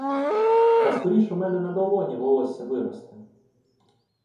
Та скоріш у мене на долоні волосся виросте!